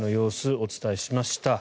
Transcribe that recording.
お伝えしました。